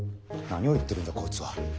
何を言ってるんだこいつは。